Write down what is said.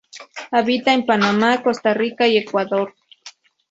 Habita en Panamá, Costa Rica y Ecuador.